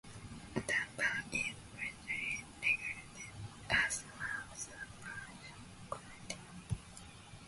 Ndaba is widely regarded as one of the prominent comedians.